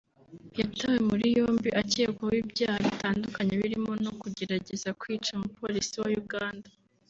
yatawe muri yombi akekwaho ibyaha bitandukanye birimo no kugerageza kwica umupolisi wa Uganda